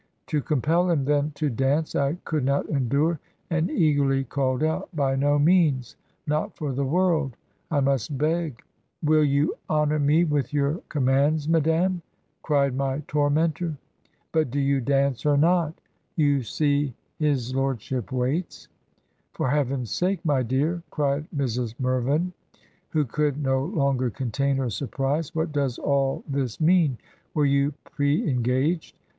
... To compel him then to dance I could not endure, and eagerly called out, ' By no means — not for the world! I must beg —' 'Will you honor me with your commands, madam?' cried my tormentor. ...' But do you dance or not? You see his lord I8 Digitized by VjOOQIC FRANCES BURNERS EVELINA ship waits!' ,.. 'For Heaven's sake, my dear/ cried Mrs, Mirvein, who could no longer contain hef Burprise, 'what does all this mean? Were you pre^ engaged?